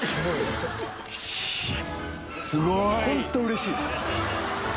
ホントうれしい。